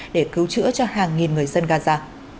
để cứu chữa cho hàng nghìn người dân gaza